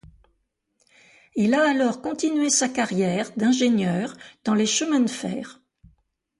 Il a alors continué sa carrière d'ingénieur dans les chemins de fer.